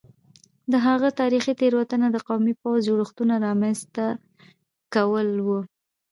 د هغه تاریخي تېروتنه د قومي پوځي جوړښتونو رامنځته کول وو